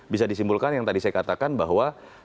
bisa disimpulkan yang tadi saya katakan bahwa